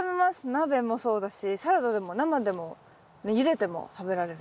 鍋もそうだしサラダでも生でもゆでても食べられるから。